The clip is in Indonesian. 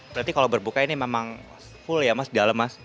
berarti kalau berbuka ini memang full ya mas di dalam mas